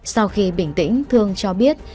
sau khi bình tĩnh thương cho biết